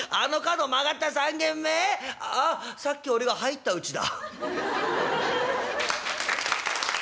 ああさっき俺が入ったうちだ」。